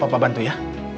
papa bantu ya